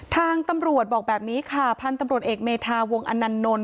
ทางตำรวจบอกแบบนี้ค่ะพันธุ์ตำรวจเอกเมธาวงอนันนล